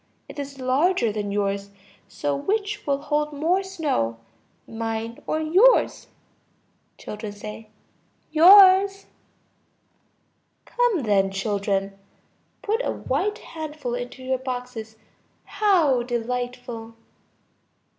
It is larger than yours; so which will hold more snow, mine or yours? Children. Yours. Come then, children. Put a white handful into your boxes. How delightful!